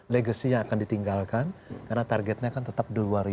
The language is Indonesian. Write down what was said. legasi yang akan ditinggalkan karena targetnya akan tetap dua ribu empat puluh lima